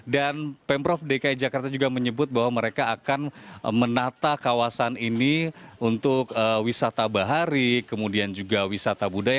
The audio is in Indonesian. dan pemprov dki jakarta juga menyebut bahwa mereka akan menata kawasan ini untuk wisata bahari kemudian juga wisata budaya